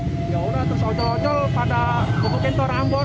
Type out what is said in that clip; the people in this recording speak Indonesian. ya udah terus ojol ojol pada bukti torangbon